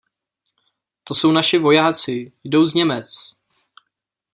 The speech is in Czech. To jsou naši vojáci, jdou z Němec.